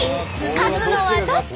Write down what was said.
勝つのはどっち！？